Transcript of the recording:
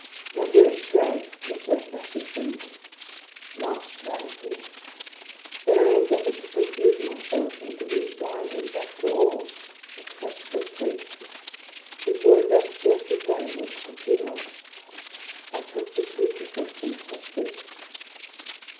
My great dread was lest I should faint. Last vanity ! Then I endeavoured to confuse myself into being blind and deaf to all, except to the Priest, whose words I scarcely heard amidst the tumult. I took the Crucifix and kissed it.